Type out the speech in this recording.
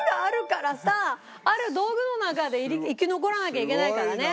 ある道具の中で生き残らなきゃいけないからね。